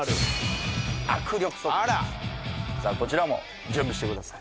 こちらも準備してください